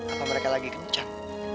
apa mereka lagi kencan